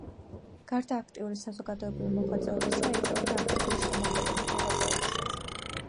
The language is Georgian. გარდა აქტიური საზოგადოებრივი მოღვაწეობისა, ეწეოდა აქტიური შემოქმედებით მოღვაწეობასაც.